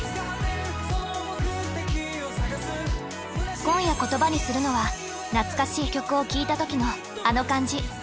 今夜言葉にするのは懐かしい曲を聞いたときのあの感じ。